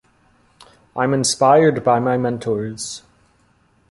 I'm inspired by my mentors.